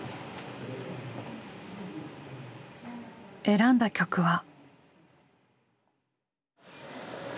選んだ曲は。